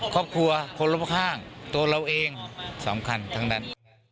ครอบครัวคนรอบข้างตัวเราเองสำคัญทั้งนั้น